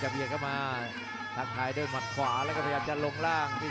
เจอสายครับนี่แหละครับเป็นมวยซ้ายจักครับดักจังหวะดี